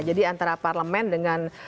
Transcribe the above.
jadi antara parlemen dengan